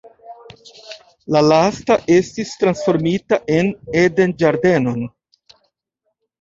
La lasta estis transformita en eden-ĝardenon.